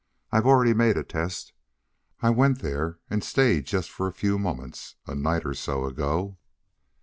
I've already made a test. I went there and stayed just for a few moments, a night or so ago."